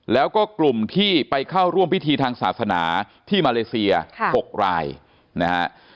แล้วก็กลุ่มที่ไปเข้าร่วมพิธีทางศาสนาที่มาเลเซีย๖รายนะฮะ